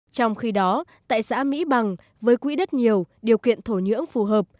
trong khi đó tại xã mỹ bằng với quỹ đất nhiều điều kiện thổ nhưỡng phù hợp